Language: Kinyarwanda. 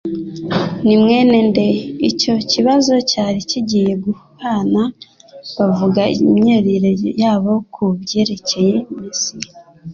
Ni'mwene nde?" Icy'o kibazo cyari kigiye Guhuna bavuga imyizerere yabo ku byerekcye Mesiya ;